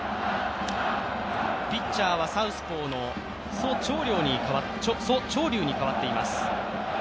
ピッチャーはサウスポーのソ・チョウリュウに代わっています。